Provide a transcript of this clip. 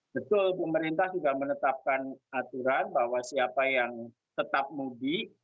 betul pemerintah sudah menetapkan aturan bahwa siapa yang tetap mudik